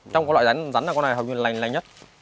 trong các loại rắn rắn này hầu như là nành nhất